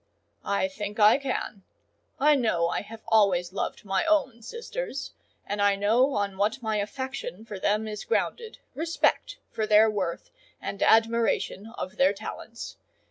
"I think I can. I know I have always loved my own sisters; and I know on what my affection for them is grounded,—respect for their worth and admiration of their talents.